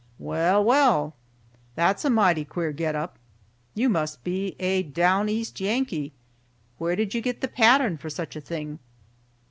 "Well! Well! That's a mighty queer get up. You must be a Down East Yankee. Where did you get the pattern for such a thing?"